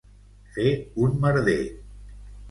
Fer un merder.